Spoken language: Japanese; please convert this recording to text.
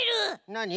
なに？